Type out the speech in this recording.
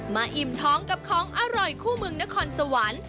อิ่มท้องกับของอร่อยคู่เมืองนครสวรรค์